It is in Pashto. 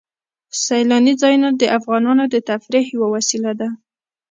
سیلاني ځایونه د افغانانو د تفریح یوه وسیله ده.